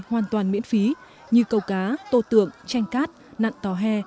hoàn toàn miễn phí như câu cá tô tượng tranh cát nạn tòa hè